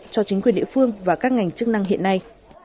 cho chính quyền địa phương và các ngành chức năng hiện nay